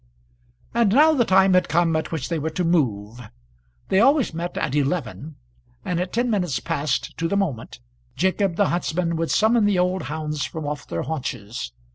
And now the time had come at which they were to move. They always met at eleven; and at ten minutes past, to the moment, Jacob the huntsman would summons the old hounds from off their haunches.